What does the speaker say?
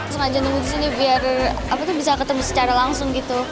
sengaja nunggu disini biar bisa ketemu secara langsung gitu